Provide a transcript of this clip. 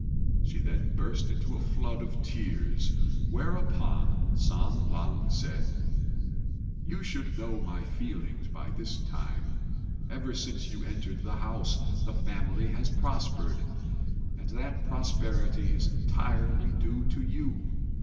She then burst into a flood of tears; whereupon San lang said, "You should know my feelings by this time. Ever since you entered the house the family has prospered; and that prosperity is entirely due to you.